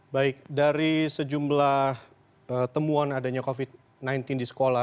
baik dari sejumlah temuan adanya covid sembilan belas di sekolah